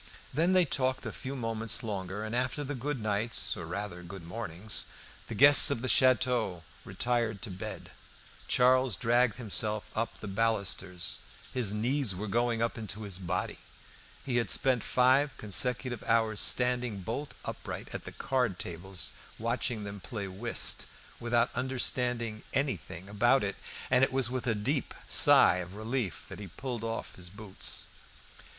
Then they talked a few moments longer, and after the goodnights, or rather good mornings, the guests of the château retired to bed. Charles dragged himself up by the balusters. His "knees were going up into his body." He had spent five consecutive hours standing bolt upright at the card tables, watching them play whist, without understanding anything about it, and it was with a deep sigh of relief that he pulled off his boots.